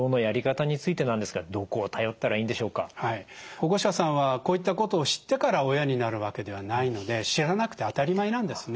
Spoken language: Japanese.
保護者さんはこういったことを知ってから親になるわけではないので知らなくて当たり前なんですね。